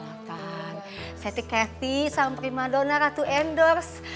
saya kata cathy salam prima dona ratu endors